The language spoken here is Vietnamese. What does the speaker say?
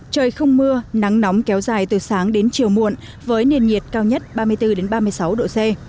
trời không mưa nắng nóng kéo dài từ sáng đến chiều muộn với nền nhiệt cao nhất ba mươi bốn ba mươi sáu độ c